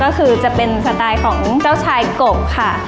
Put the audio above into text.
ก็คือจะเป็นสไตล์ของเจ้าชายกบค่ะ